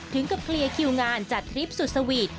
ถึงกับเคลียร์คิวงานจัดทริปสุดสวีท